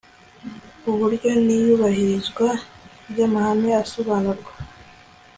uburyo n iyubahirizwa y 'amahame asobanurwa